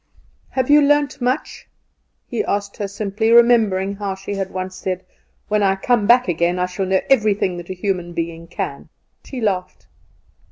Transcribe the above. "Have you learnt much?" he asked her simply, remembering how she had once said, "When I come back again I shall know everything that a human being can." She laughed.